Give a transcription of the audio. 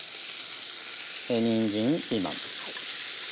にんじんピーマン。